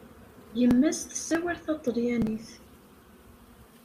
Yemma-s tessawal taṭalyanit.